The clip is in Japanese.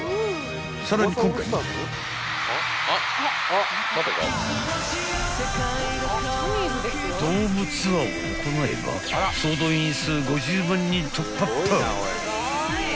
［さらに今回］［ドームツアーを行えば総動員数５０万人突破っぱ］